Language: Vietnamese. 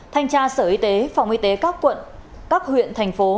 thanh tra sở y tế phòng y tế các huyện thành phố